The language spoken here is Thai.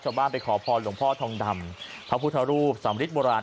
ไปขอพรหลวงพ่อทองดำพระพุทธรูปสำริดโบราณ